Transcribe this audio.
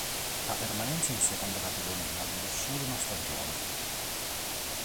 La permanenza in Seconda Categoria durò solo una stagione.